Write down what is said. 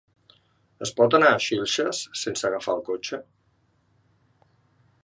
Es pot anar a Xilxes sense agafar el cotxe?